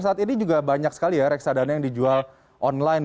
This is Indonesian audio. saat ini juga banyak sekali ya reksadana yang dijual online